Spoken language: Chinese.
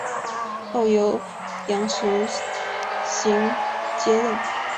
后由杨时行接任。